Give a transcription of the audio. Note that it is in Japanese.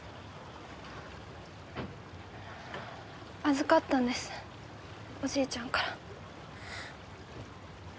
預かったんですおじいちゃんから。